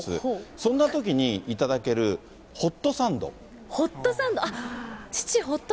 そんなときに頂けるホットサンド。